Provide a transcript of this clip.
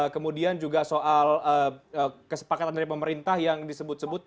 kemudian juga soal kesepakatan dari pemerintah yang disebut sebut